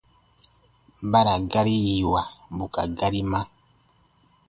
Ba ra gari yiiwa bù ka gari ma.